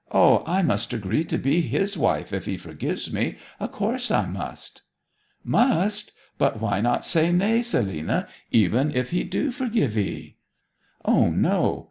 I must agree to be his wife if he forgives me of course I must.' 'Must! But why not say nay, Selina, even if he do forgive 'ee?' 'O no!